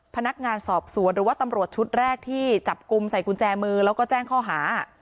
พนักงานสอบสวนหรือว่าตำรวจชุดแรกที่จับกลุ่มใส่กุญแจมือแล้วก็แจ้งข้อหา